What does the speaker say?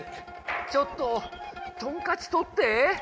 ちょっとトンカチとって！